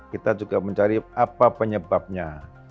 kita juga mencari apa penyebabnya